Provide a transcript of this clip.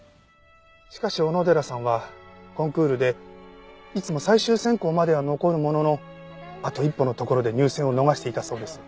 しかし小野寺さんはコンクールでいつも最終選考までは残るもののあと一歩のところで入選を逃していたそうです。